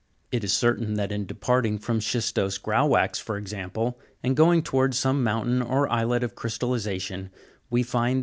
It is certain that in departing from schistose grauwackes, for example, and going towards some mountain or islet of crystallization, we find these 24.